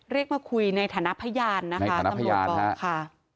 เรียกมาคุยในฐานะพยานนะคะตำรวจบอกค่ะ